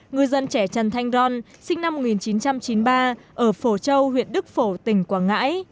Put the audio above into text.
ngư dân trẻ trần thanh ron sinh năm một nghìn chín trăm chín mươi ba ở phổ châu huyện đức phổ tỉnh quảng ngãi